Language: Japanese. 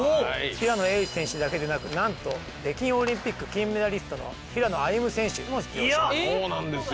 平野英樹選手だけでなくなんと北京オリンピック金メダリストの平野歩夢選手も出場します。